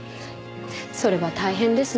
それは大変ですね。